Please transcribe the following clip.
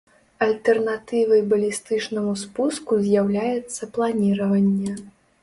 Альтэрнатывай балістычнаму спуску з'яўляецца планіраванне.